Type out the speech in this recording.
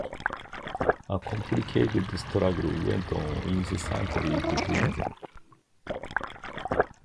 A complicated struggle went on incessantly between them.